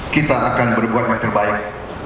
kita akan berbuat yang terbaik